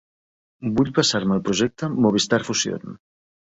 Vull passar-me al projecte Movistar Fusión.